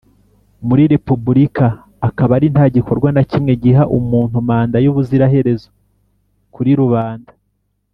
muri repubulika, akaba nta gikorwa na kimwe giha umuntu mandat y'ubuziraherezo kuri rubanda,